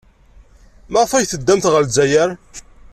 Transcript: Maɣef ay teddamt ɣer Lezzayer?